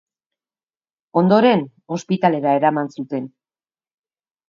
Ondoren, ospitalera eraman zuten.